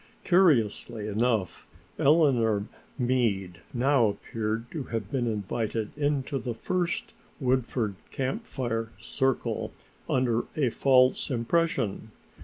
Curiously enough Eleanor Meade now appeared to have been invited into the first Woodford Camp Fire circle under a false impression.